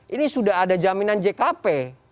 ini sudah ada jaminan jkp